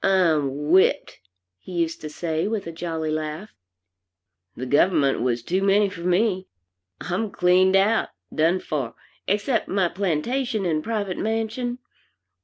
"I'm whipped," he used to say with a jolly laugh, "the government was too many for me; I'm cleaned out, done for, except my plantation and private mansion.